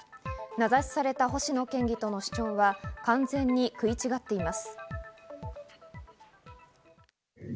名指しされた星野県議との主張は完全に食い違っています。